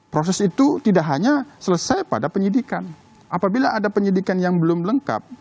proses itu tidak hanya selesai pada penyidikan apabila ada penyidikan yang belum lengkap